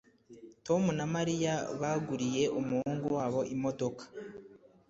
Tom na Mariya baguriye umuhungu wabo imodoka